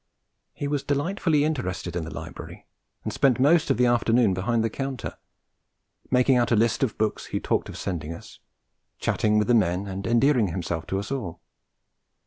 He was delightfully interested in the library, and spent most of the afternoon behind the counter, making out a list of books he talked of sending us, chatting with the men, and endearing himself to us all.